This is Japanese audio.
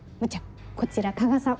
こちら加賀さん。